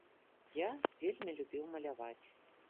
Я вельмі любіў маляваць.